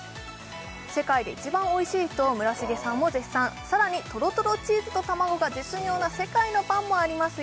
「世界で一番おいしい」と村重さんも絶賛さらにとろとろチーズと卵が絶妙な世界のパンもありますよ